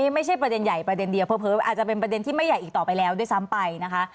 ไม่ใช่ประเด็นใหญ่ประเด็นเดียวเผลออาจจะเป็นประเด็นที่ไม่ใหญ่อีกต่อไปแล้วด้วยซ้ำไปนะคะ